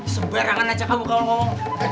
sebarangan aja kamu kalau ngomong